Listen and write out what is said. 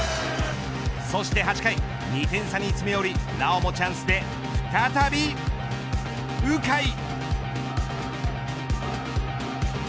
そして８回、２点差に詰め寄りなおもチャンスで再び鵜飼。